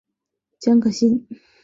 蒋可心。